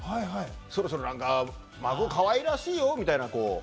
そろそろ孫、かわいいらしいよみたいな。